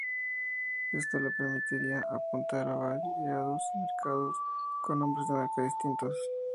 Esto le permitiría apuntar a variados mercados con nombres de marca distintos.